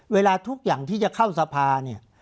เวลาทุกอย่างที่จะเข้าสภาเนี่ย